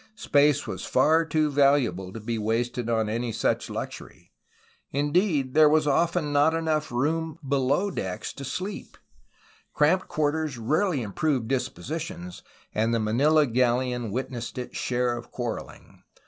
Space was far too valuable to be wasted on any such luxury. Indeed, there was often not room enough below decks to sleep. Cramped quarters rarely improve dispositions, and the Manila galleon wit nessed its share of quarreling.